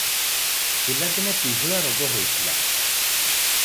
ପିଲାଦିନେ ପିହୁଳା ରୋଗ ହୋଇଥିଲା ।